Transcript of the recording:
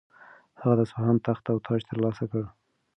هغه د اصفهان تخت او تاج ترلاسه کړ.